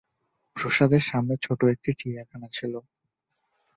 প্রাসাদের সামনে একটি ছোট চিড়িয়াখানা ছিল।